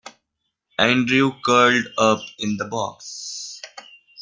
Andrew curled up in the box.